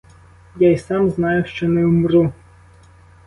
Я й сам знаю, що не вмру.